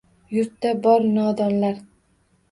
Yurtda bor nodonlar